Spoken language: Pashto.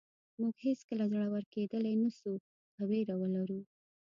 موږ هېڅکله زړور کېدلی نه شو که وېره ولرو.